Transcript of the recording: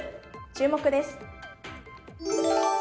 注目です。